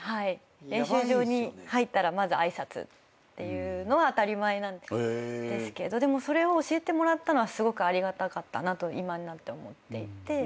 練習場に入ったらまず挨拶っていうのは当たり前ですけどでもそれを教えてもらったのはすごくありがたかったなと今になって思っていて。